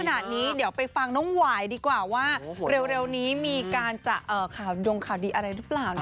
ขนาดนี้เดี๋ยวไปฟังน้องหวายดีกว่าว่าเร็วนี้มีการจะข่าวดงข่าวดีอะไรหรือเปล่านะ